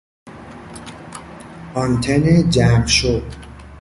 آنتن جمع شو